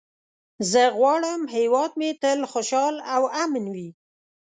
زه غواړم هېواد مې تل خوشحال او امن وي.